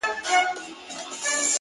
• له بدیو به تر مرګه خلاصېدلای ,